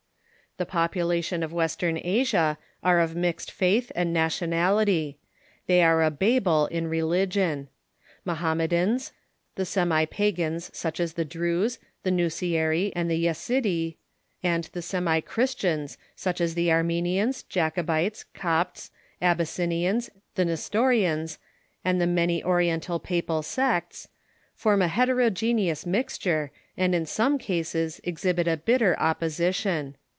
The population of Western Asia are of mixed faith and nationality. They are a Babel in religion. Mohamme dans ; the semi pagans, such as the Druze, the Nusairy, and the Yesidee ; and the semi Christians, such as the Armenians, Jac obites, Copts, Abyssinians, the Nestorians, and the many Ori etital papal sects, form a heterogeneous mixture, and in some cases exhibit a bitter opposition.